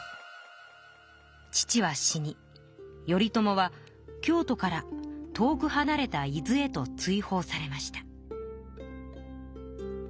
父は死に頼朝は京都から遠くはなれた伊豆へと追放されました。